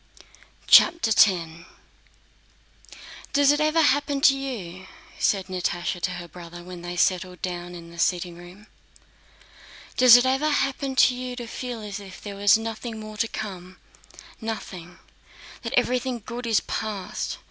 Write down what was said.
CHAPTER X "Does it ever happen to you," said Natásha to her brother, when they settled down in the sitting room, "does it ever happen to you to feel as if there were nothing more to come—nothing; that everything good is past?